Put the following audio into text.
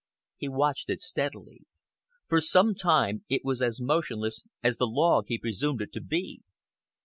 He watched it steadily. For some time it was as motionless as the log he presumed it to be.